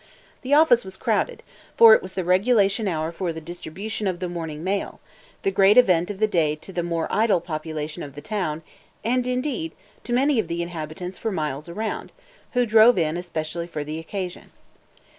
The office was crowded, for it was the regulation hour for the distribution of the morning mail, the great event of the day to the more idle population of the town and indeed to many of the inhabitants for miles around, who drove in especially for the occasion.